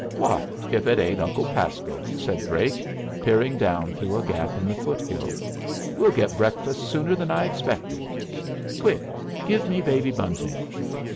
"Why, if it ain't Uncle Pasco!" said Drake, peering down through a gap in the foot hill. "We'll get breakfast sooner than I expected. Quick! Give me Baby Bunting!"